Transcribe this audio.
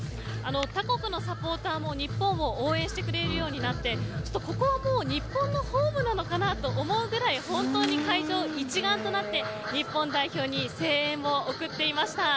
他国のサポーターも日本を応援してくれるようになってここはもう日本のホームなのかなと思うぐらい本当に会場、一丸となって日本代表に声援を送っていました。